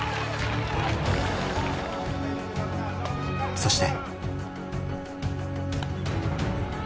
そして。